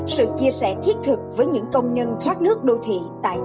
sự chia sẻ thiết thực với những công nhân thoát nước đô thị tại tp hcm